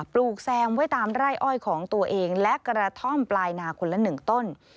ลูกแซมไว้ตามไร่อ้อยของตัวเองและกระท่อมปลายนาคนละ๑ต้น